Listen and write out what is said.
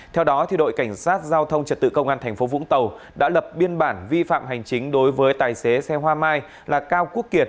theo đó đội cảnh sát giao thông trật tự công an tp vũng tàu đã lập biên bản vi phạm hành chính đối với tài xế xe hoa mai là cao quốc kiệt